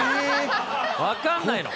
分かんないの？